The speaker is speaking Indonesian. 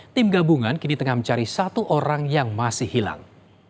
tim gabungan kini tengah mencari satu orang yang masih hilang